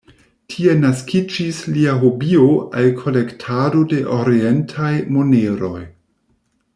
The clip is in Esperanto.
Tie naskiĝis lia hobio al kolektado de orientaj moneroj.